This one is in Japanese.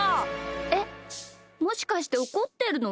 えっもしかしておこってるの？